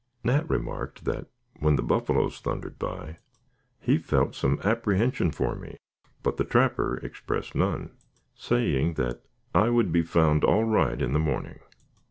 Nat remarked, that when the buffaloes thundered by he felt some apprehension for me, but the trapper expressed none, saying that I would be found all right in the morning.